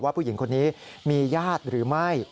ผู้หญิงคนนี้มีญาติหรือไม่